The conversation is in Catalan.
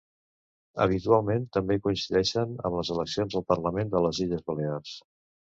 Habitualment també coincideixen amb les eleccions al Parlament de les Illes Balears.